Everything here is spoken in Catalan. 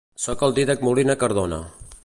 Soc el Dídac Molina Cardona.